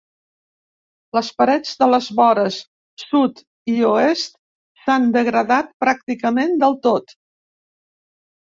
Les parets de les vores sud i oest s'han degradat pràcticament del tot.